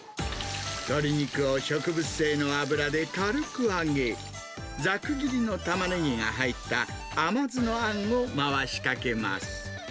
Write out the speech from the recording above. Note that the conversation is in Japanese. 鶏肉を植物性の油で軽く揚げ、ざく切りのタマネギが入った甘酢のあんを回しかけます。